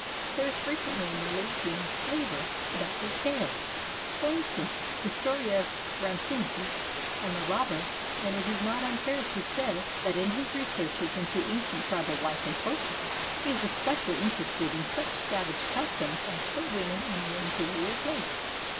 There is frequently a Milesian flavour about his tales — for instance the story of Rhampsinitus and the robber — and it is not unfair to say that in his researches into ancient tribal life and folklore he is especially interested in such savage customs as put women in an inferior place.